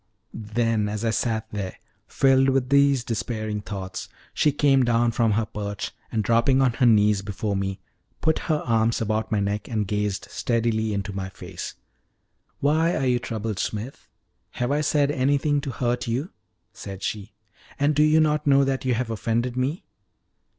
Then, as I sat there, filled with these despairing thoughts, she came down from her perch, and, dropping on her knees before me, put her arms about my neck and gazed steadily into my face. "Why are you troubled, Smith have I said anything to hurt you?" said she. "And do you not know that you have offended me?"